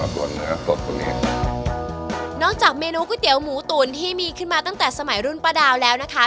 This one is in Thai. ตัวเนื้อสดตรงเนี้ยนอกจากเมนูก๋วยเตี๋ยวหมูตุ๋นที่มีขึ้นมาตั้งแต่สมัยรุ่นประดาวแล้วนะคะ